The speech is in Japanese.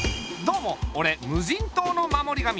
どうもおれ無人島の守り神。